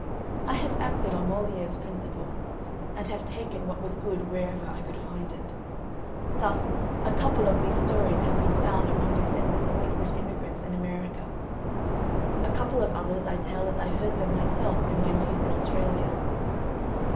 I have acted on Molière's principle, and have taken what was good wherever I could find it. Thus, a couple of these stories have been found among descendants of English immigrants in America; a couple of others I tell as I heard them myself in my youth in Australia.